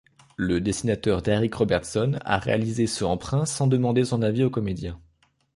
Le dessinateur Darick Robertson a réalisé ce emprunt sans demander son avis au comédien.